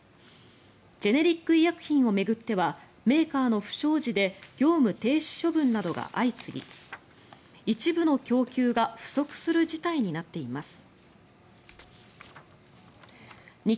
ジェネリック医薬品を巡ってはメーカーの不祥事で業務停止処分などが相次ぎ一部の供給が不足する事態になっています。